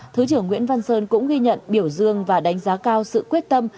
thứ trưởng nguyễn văn sơn cũng ghi nhận biểu dương và đánh giá cao sự quyết tâm